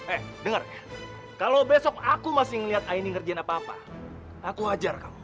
eh dengar kalau besok aku masih ngeliat aini ngerjain apa apa aku wajar kamu